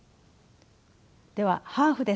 では「ハーフですか？